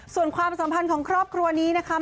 ส่วนความสัมพันธ์ของครอบครัวนี้นะคะ